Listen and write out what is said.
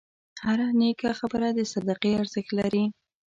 هره نیکه خبره د صدقې ارزښت لري.